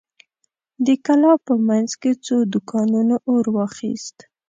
د کلا په مينځ کې څو دوکانونو اور واخيست.